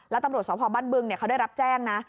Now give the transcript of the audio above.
แล้วตำรวจสพบ้านบึงเขาได้รับแจ้งนะ